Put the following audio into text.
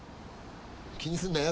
気にすんなよ